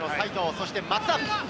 そして松田。